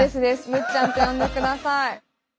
むっちゃんって呼んで下さい。